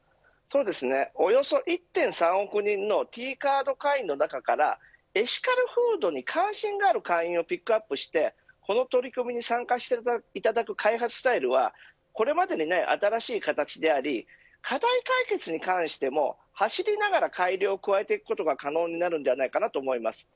およそ１３億人のＴカード会員の中からエシカルフードに関心がある会員をピックアップしてこの取り組みに参加していただく開発スタイルはこれまでにない新しい形であり課題解決に関しても、走りながら改良を加えていくことが可能になるのではないかと思います。